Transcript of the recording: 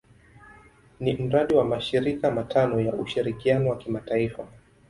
Ni mradi wa mashirika matano ya ushirikiano wa kimataifa.